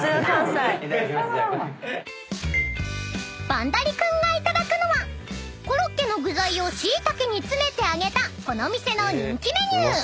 ［バンダリ君がいただくのはコロッケの具材をしいたけに詰めて揚げたこの店の人気メニュー］